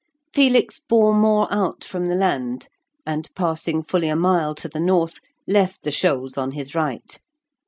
Felix bore more out from the land, and passing fully a mile to the north, left the shoals on his right.